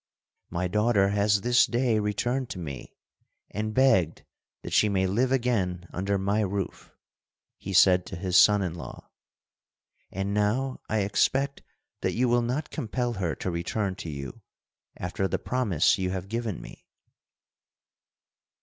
"My daughter has this day returned to me and begged that she may live again under my roof," he said to his son in law. "And now I expect that you will not compel her to return to you, after the promise you have given me."